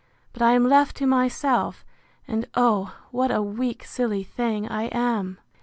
But I am left to myself; and, oh! what a weak silly thing I am!